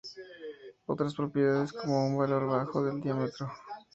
Otras propiedades como un valor bajo del diámetro.